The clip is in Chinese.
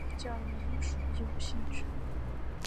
初级教育应属义务性质。